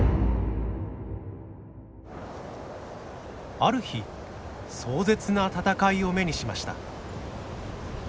ある日壮絶な闘いを目にしました。